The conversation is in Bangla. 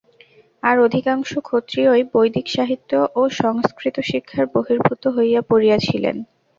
আর অধিকাংশ ক্ষত্রিয়ই বৈদিক সাহিত্য ও সংস্কৃত শিক্ষার বহির্ভূত হইয়া পড়িয়াছিলেন।